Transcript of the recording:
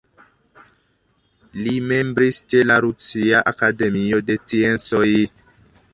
Li membris ĉe la Rusia Akademio de Sciencoj.